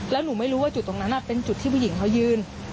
แล้วหนูไม่รู้ว่าจุดตรงนั้นเป็นจุดที่ผู้หญิงเขายืน